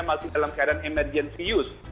masih dalam keadaan emergency use